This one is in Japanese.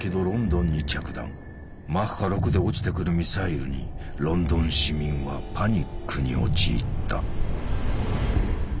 マッハ６で落ちてくるミサイルにロンドン市民はパニックに陥った。